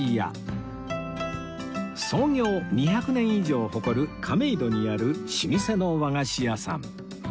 創業２００年以上を誇る亀戸にある老舗の和菓子屋さん